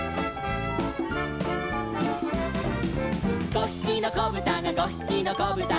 「５ひきのこぶたが５ひきのこぶたが」